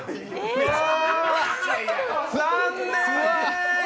残念！